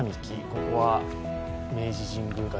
ここは明治神宮外苑。